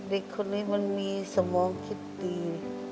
เด็กคนนี้มันมีสมองคิดดี